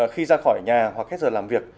khi ra khỏi nhà hoặc hết giờ làm việc